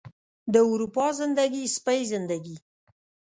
د اروپا زندګي، سپۍ زندګي